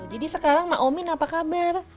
jadi sekarang mak omin apa kabar